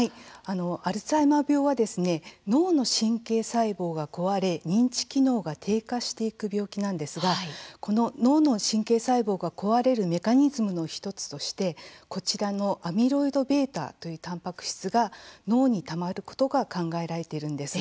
アルツハイマー病は脳の神経細胞が壊れ認知機能が低下していく病気なんですがこの脳の神経細胞が壊れるメカニズムの１つとしてこちらのアミロイドβというたんぱく質が脳にたまることが考えられているんです。